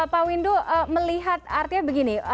pak windu melihat artinya begini